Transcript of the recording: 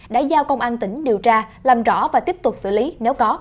đã giao công an tỉnh điều tra làm rõ và tiếp tục xử lý nếu có